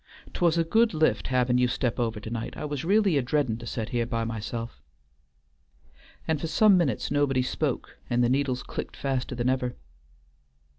'T was a good lift havin' you step over to night. I was really a dreadin' to set here by myself," and for some minutes nobody spoke and the needles clicked faster than ever.